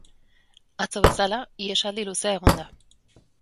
Atzo bezala, ihesaldi luzea egon da.